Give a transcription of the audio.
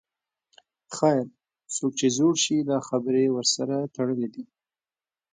خیر، څوک چې زوړ شي دا خبرې ورسره تړلې دي.